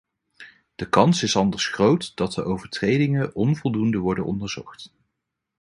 De kans is anders groot dat de overtredingen onvoldoende worden onderzocht.